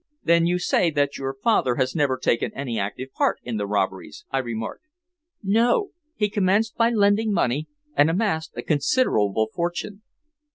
"Then you say that your father has never taken any active part in the robberies?" I remarked. "No. He commenced by lending money, and amassed a considerable fortune.